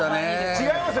違いますよ。